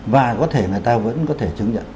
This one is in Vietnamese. và có thể người ta vẫn có thể chứng nhận